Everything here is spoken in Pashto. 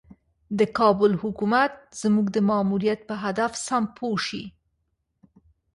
د کابل حکومت زموږ د ماموریت په هدف سم پوه شي.